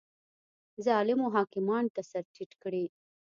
ظالمو حاکمانو ته سر ټیټ کړي